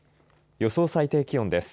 予想最低気温です。